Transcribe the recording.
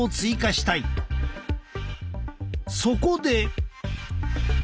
そこで！